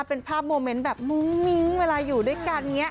เป็นภาพโมเมนต์แบบมุ้งมิ้งเวลาอยู่ด้วยกันอย่างนี้